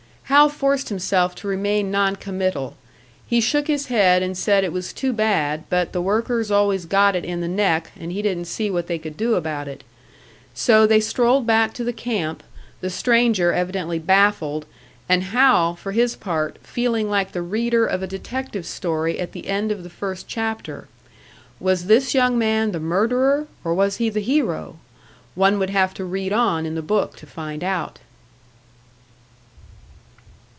Hal forced himself to remain non committal; he shook his head and said it was too bad, but the workers always got it in the neck, and he didn't see what they could do about it. So they strolled back to the camp, the stranger evidently baffled, and Hal, for his part, feeling like the reader of a detective story at the end of the first chapter. Was this young man the murderer, or was he the hero? One would have to read on in the book to find out!